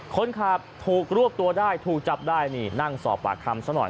คนขับถูกรวบตัวได้ถูกจับได้นี่นั่งสอบปากคำซะหน่อย